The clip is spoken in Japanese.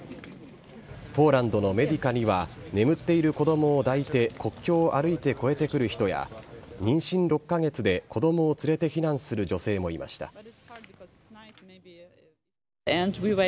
ポーランドのメディカには眠っている子どもを抱いて国境を歩いて越えてくる人や、妊娠６か月で子どもを連れて避難する女性もいました。